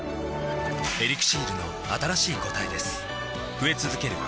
「エリクシール」の新しい答えです